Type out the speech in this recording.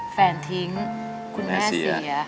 ทิ้งคุณแม่เสีย